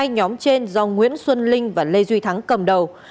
hai nhóm trên do nguyễn xuân linh và lê duy thắng cầm đầu